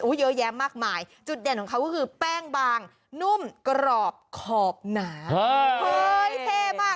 เยอะแยะมากมายจุดเด่นของเขาก็คือแป้งบางนุ่มกรอบขอบหนาเฮ้ยเท่มาก